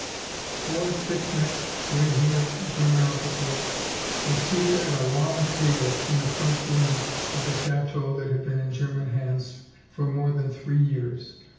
Four thick necked, grey haired German officers were seated at a long table in the front room of a chateau that had been in German hands for more than three years.